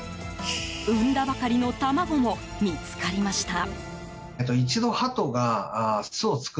産んだばかりの卵も見つかりました。